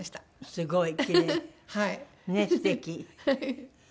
すごい！